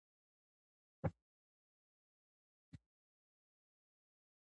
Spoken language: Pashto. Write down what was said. ملاله به تل یاده سوې وه.